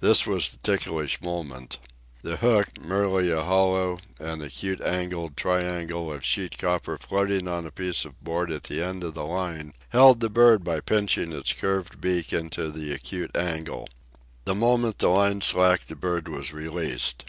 This was the ticklish moment. The hook, merely a hollow and acute angled triangle of sheet copper floating on a piece of board at the end of the line, held the bird by pinching its curved beak into the acute angle. The moment the line slacked the bird was released.